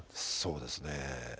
そうですね